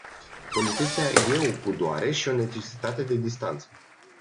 Politețea e o pudoare și o necesitate de distanță.